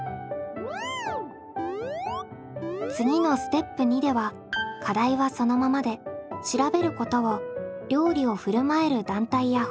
次のステップ２では課題はそのままで「調べること」を料理をふるまえる団体や方法に変更。